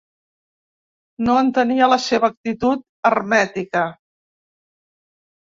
No entenia la seva actitud hermètica.